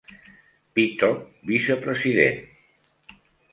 Pittock, vicepresident.